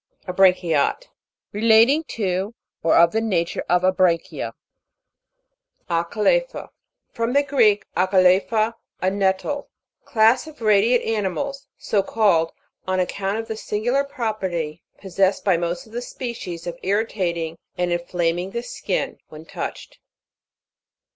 ABRAN'CHIATE. Relating to, or of the nature of abranchia. ACALE'PHA. From the Greek, akale phe, a nettte. Class of radiate animals, so called, on account of the singular property possessed by most of the species, of irritating and inflaming the skin, when touched.